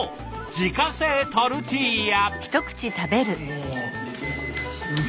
自家製トルティーヤ！